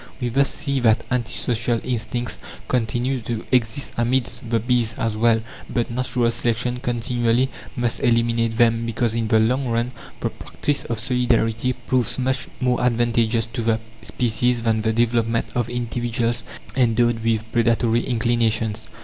We thus see that anti social instincts continue to exist amidst the bees as well; but natural selection continually must eliminate them, because in the long run the practice of solidarity proves much more advantageous to the species than the development of individuals endowed with predatory inclinations.